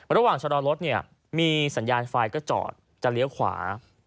โลวังชะลรถมีสัญญาณไฟจอดจะเลี้ยงขวา